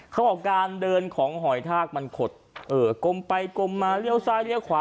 เขาบอกการเดินของหอยทากมันขดกลมไปกลมมาเลี้ยวซ้ายเลี้ยวขวา